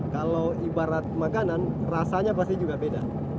kalau ibarat makanan rasanya pasti juga beda